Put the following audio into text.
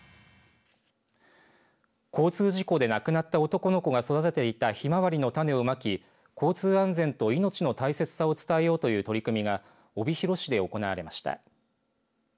交通事故で亡くなった男の子が育てていたひまわりの種をまき交通安全と命の大切さを伝えようという取り組みが帯広市で行われました。